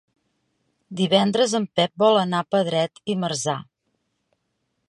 Divendres en Pep vol anar a Pedret i Marzà.